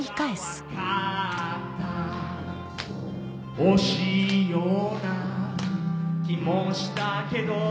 惜しいような気もしたけど